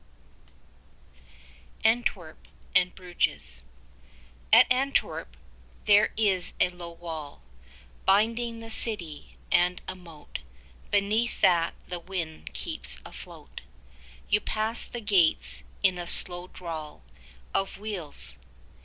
THE CARILLON ANTWERP AND BRUGES At Antwerp, there is a low wall Binding the city, and a moat Beneath, that the wind keeps afloat. You pass the gates in a slow drawl Of wheels.